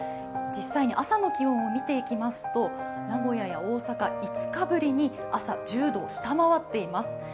実際に朝の気温を見ていきますと、名古屋や大阪、５日ぶりに朝、１０度を下回っています。